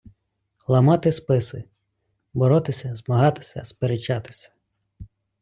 Ламати списи — боротися, змагатися, сперечатися